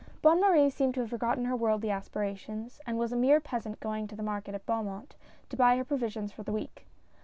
Bonne Marie seemed to have forgotten her worldly aspirations, and was a mere peasant going to the market at Beaumont, to buy her provisions for the week.